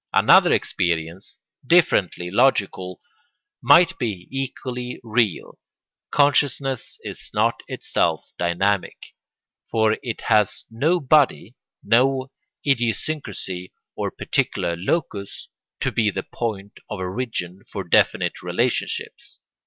Another experience, differently logical, might be equally real. Consciousness is not itself dynamic, for it has no body, no idiosyncrasy or particular locus, to be the point of origin for definite relationships.